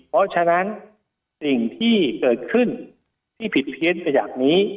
เพราะฉะนั้นสิ่งที่เกิดขึ้นที่ผิดเพี้ยนไปอย่างนี้